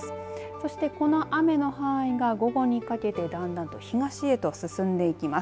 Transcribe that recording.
そして、この雨の範囲が午後にかけてだんだんと東へと進んでいきます。